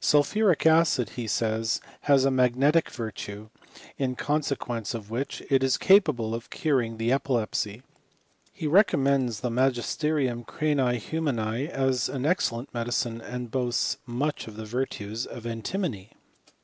Sulphuric acid, he says, has a magnetic virtue, in consequence of •which it is capable of curing the epilepsy. He re commends the Tnagisterium cranii humani as an ex cellent medicine, and boasts much of the virtues of antimony.